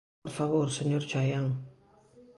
¡Por favor, señor Chaián!